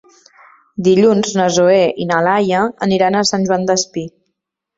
Dilluns na Zoè i na Laia aniran a Sant Joan Despí.